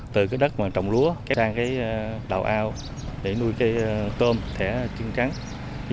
từ đất mà trồng lúa sang đảo ao để nuôi tôm thẻ chân trắng